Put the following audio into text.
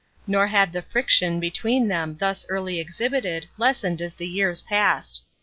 Nor had the friction between them thus early exhibited lessened as the years passed.